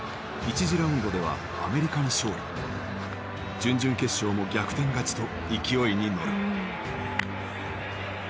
準々決勝も逆転勝ちと勢いに乗る。